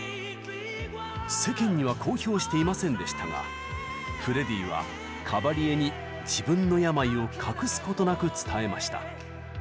世間には公表していませんでしたがフレディはカバリエに自分の病を隠すことなく伝えました。